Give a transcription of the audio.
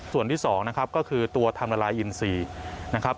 ส่วนที่๒นะครับก็คือตัวทำละลายอินซีนะครับ